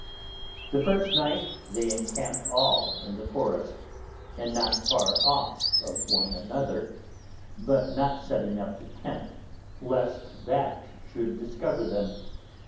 The first night they encamped all in the forest, and not far off of one another, but not setting up the tent, lest that should discover them.